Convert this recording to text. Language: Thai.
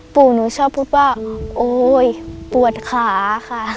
หนูชอบพูดว่าโอ๊ยปวดขาค่ะ